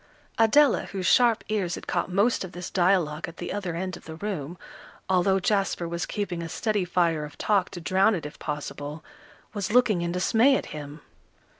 Adela, whose sharp ears had caught most of this dialogue at the other end of the room, although Jasper was keeping a steady fire of talk to drown it if possible, was looking in dismay at him.